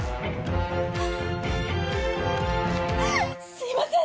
すいません！